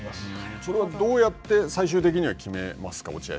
それはどうやって最終的には決めますか。